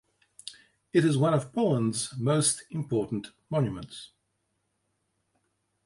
It is one of Poland's most important monuments.